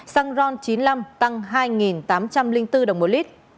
xăng ron chín mươi năm tăng hai tám trăm linh bốn đồng một lít